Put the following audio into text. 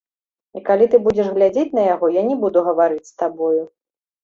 І калі ты будзеш глядзець на яго, я не буду гаварыць з табою.